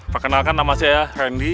perkenalkan nama saya rendy